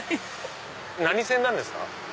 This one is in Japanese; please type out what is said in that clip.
何線なんですか？